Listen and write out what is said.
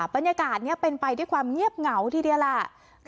พนิจการเนี่ยเป็นไปด้วยความเงียบเงาทีเดียวแหละ